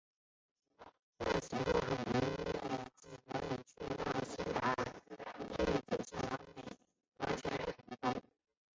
但是随后的海洋音乐季表演却让苏打绿走向一条完全不同的道路。